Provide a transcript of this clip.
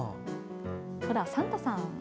ほら、サンタさん。